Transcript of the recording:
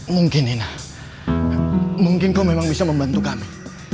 mungkin ina mungkin kau memang bisa membantu kami